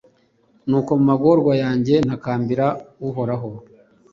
nuko mu magorwa yanjye, ntakambira uhoraho